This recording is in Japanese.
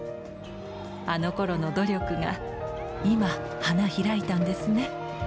あのころの努力が今、花開いたんですね。